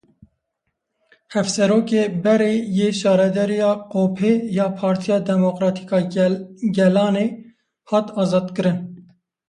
Hevserokê Berê yê Şaredariya Kopê ya Partiya Demokratîk a Gelanê hat azadkirin.